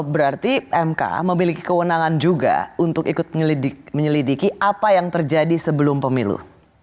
berarti mk memiliki kewenangan juga untuk ikut menyelidiki apa yang terjadi sebelum pemilu